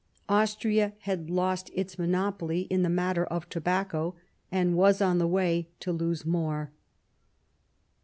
Austria had lost its monopoly in the matter of tobacco and was on the way to lose more.